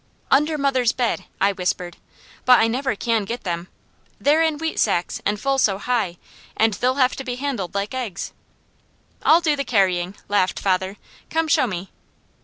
"Under mother's bed," I whispered. "But I never can get them. They're in wheat sacks, and full so high, and they'll have to be handled like eggs." "I'll do the carrying," laughed father. "Come show me!"